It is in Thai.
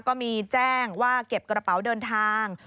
ก็มีแจ้งว่าเก็บกระเป๋าเดินทาง